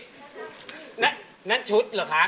นั่นนั่นชุดเหรอคะ